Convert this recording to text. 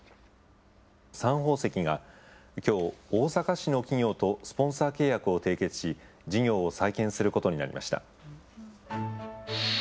サン宝石がきょう、大阪市の企業とスポンサー契約を締結し、事業を再建することになりました。